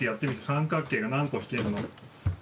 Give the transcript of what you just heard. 三角形が何個引けるの？